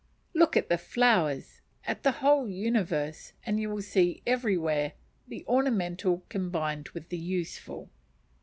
Look at the flowers at the whole universe and you will see everywhere the ornamental combined with the useful.